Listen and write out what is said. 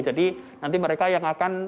nanti mereka yang akan